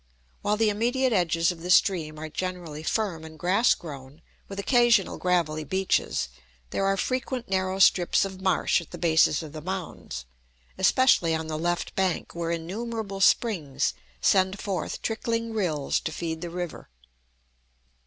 While the immediate edges of the stream are generally firm and grass grown, with occasional gravelly beaches, there are frequent narrow strips of marsh at the bases of the mounds, especially on the left bank where innumerable springs send forth trickling rills to feed the river.